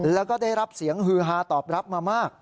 แล้วก็ได้รับเสียงฮือฮาตอบรับมามาก